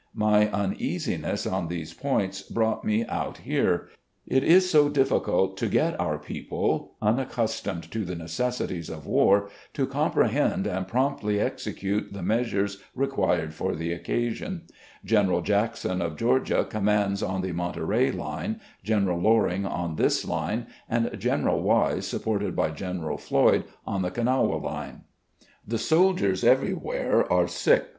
My imeasiness on these points brought me out here. It is so difficult to get our people, imaccustomed to the necessities of war, to comprehend and promptly ♦ Major W. H. F. Lee — General Lee's second son. THE CONFEDERATE GENERAL 39 execute the measures required for the occasion. General Jackson of Georgia commands on the Monterey Une, Gen eral Loring on this line, and General Wise, supported by General Floyd, on the Kanawha line. The soldiers every where are sick.